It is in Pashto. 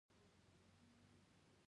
هګۍ د غوړ پوستکي درملنه کې کارېږي.